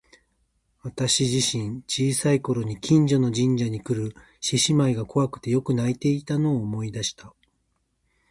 私自身、小さい頃に近所の神社にくる獅子舞が怖くてよく泣いていたのを思い出した。